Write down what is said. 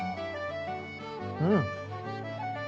うん。